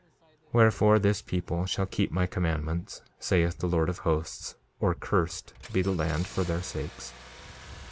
2:29 Wherefore, this people shall keep my commandments, saith the Lord of Hosts, or cursed be the land for their sakes.